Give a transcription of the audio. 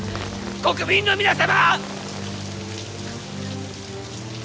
国民の皆様！